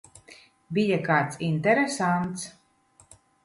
Bija kāds interesants?